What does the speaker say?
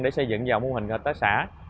để xây dựng vào mô hình hợp tác xã